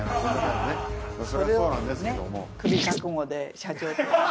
そりゃそうなんですけども。